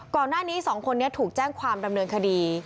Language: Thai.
ก่อนหน้านี้๒คนนี้ถูกแจ้งความดำเนินคดี